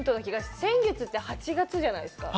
先月って８月じゃないですか。